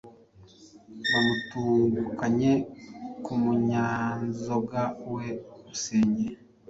Bamutungukanye ku munyanzoga we Rusenge,